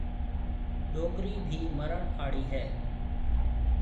ڏُوڪرِي ڀِي مرڻ آݪِي هيَ۔